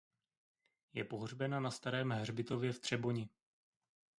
Je pohřbena na starém hřbitově v Třeboni.